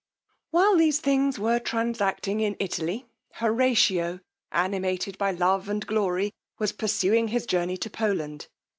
_ While these things were transacting in Italy, Horatio, animated by love and glory, was pursuing his journey to Poland.